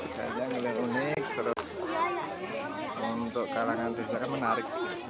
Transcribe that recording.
saya melihat unik terus untuk kalangan desa kan menarik